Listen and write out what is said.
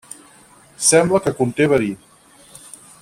Sembla que conté verí.